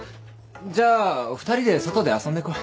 じゃあ２人で外で遊んでこい。